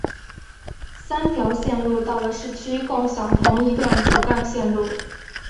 三条线路到了市区共享同一段主干线路。